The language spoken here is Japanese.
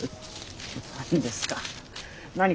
何ですか。